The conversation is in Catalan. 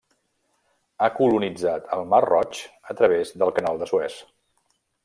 Ha colonitzat el Mar Roig a través del Canal de Suez.